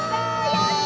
やった！